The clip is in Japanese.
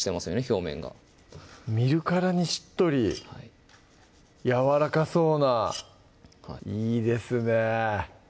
表面が見るからにしっとりやわらかそうないいですね